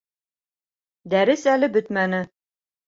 Дәрес әле бөтмәне